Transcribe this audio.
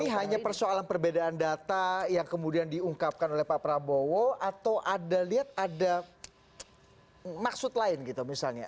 ini hanya persoalan perbedaan data yang kemudian diungkapkan oleh pak prabowo atau anda lihat ada maksud lain gitu misalnya